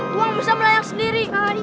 kuang bisa melayang sendiri